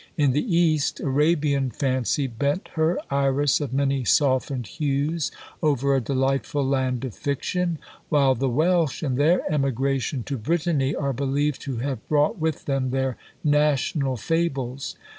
In the East, Arabian fancy bent her iris of many softened hues over a delightful land of fiction: while the Welsh, in their emigration to Britanny, are believed to have brought with them their national fables.